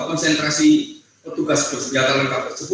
konsentrasi petugas berserang